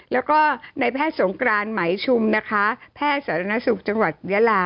แล้วก็ในแพทย์สงกรานไหมชุมนะคะแพทย์สาธารณสุขจังหวัดยาลา